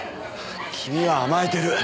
君は甘えてる。